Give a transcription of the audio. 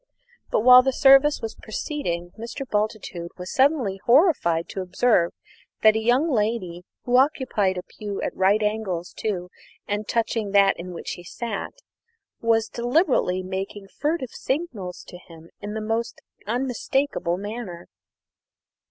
But, while the service was proceeding, Mr. Bultitude was suddenly horrified to observe that a young lady, who occupied a pew at right angles to and touching that in which he sat, was deliberately making furtive signals to him in a most unmistakable manner.